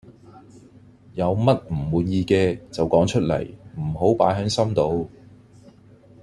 有乜唔滿意嘅就講出嚟，唔好擺係心度。